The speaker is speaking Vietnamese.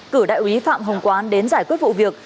cử đại úy phạm hồng quán đến giải quyết vụ việc